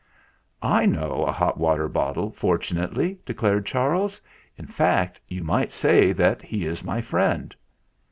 "I know a hot water bottle, fortunately," de clared Charles. "In fact, you might say that he is my friend."